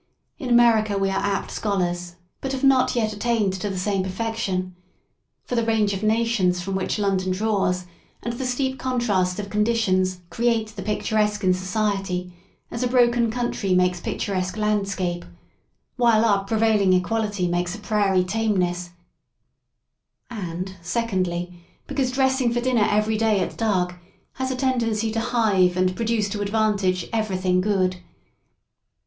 In America we are apt scholars, but have not yet attained to the same perfection: for the range of nations from which London draws, and the steep contrasts of con ditions create the picturesque in society, as a broken country makes picturesque landscape, whilst our pre vailing equality makes a prairie tameness: and se condly, because dressing for dinner every day at dark has a tendency to hive and produce to advantage every* 132 LONDON AT LEISURE thing good.